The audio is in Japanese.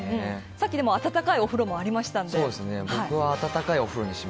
さっき、温かいお風呂もありましたので。